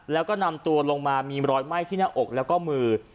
แล้วก็นำตัวลงมามีรอยไหม้ที่หน้าอกแล้วก็มือ